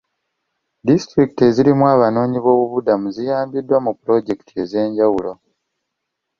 Disitulikiti ezirimu abanoonyiboobubudamu ziyambiddwa mu pulojekiti ez'enjawulo.